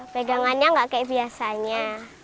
pegangannya nggak kayak biasanya